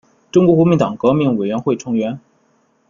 中国国民党革命委员会成员。